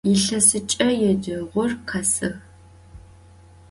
Yilhesıç'e yêceğur khesığ.